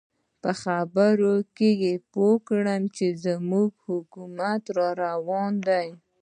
په خبرو کې یې پوه کړم چې زموږ حکومت را روان دی.